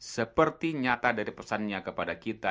seperti nyata dari pesannya kepada kita